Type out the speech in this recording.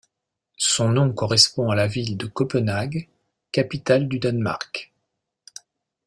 Son nom correspond à la ville de Copenhague, capitale du Danemark.